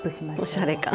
おしゃれ感！